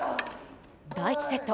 第１セット。